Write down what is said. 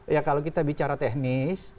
ya kalau kita bicara teknis